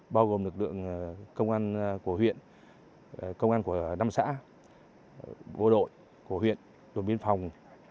bao gồm lực lượng công an của huyện công an của năm xã bộ đội của huyện đội biên phòng